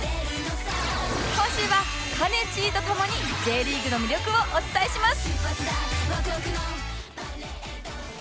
今週はかねちーと共に Ｊ リーグの魅力をお伝えします！